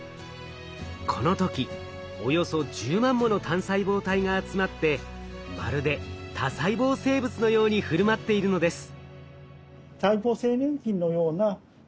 この時およそ１０万もの単細胞体が集まってまるで多細胞生物のように振る舞っているのです。